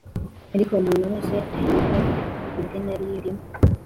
ariko umuntu wese ahembwa idenariyo imwe